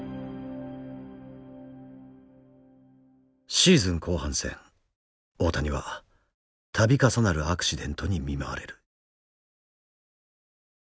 シーズン後半戦大谷は度重なるアクシデントに見舞われる。